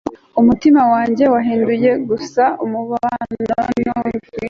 umutima wanjye, wahinduye gusa umubano n'ibyifuzo